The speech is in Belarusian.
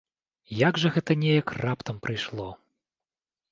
Як жа гэта неяк раптам прыйшло!